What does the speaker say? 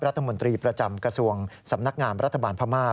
รัฐมนตรีประจำกระทรวงสำนักงามรัฐบาลพม่า